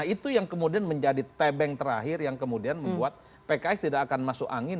itu yang kemudian menjadi tebeng terakhir yang kemudian membuat pks tidak akan masuk angin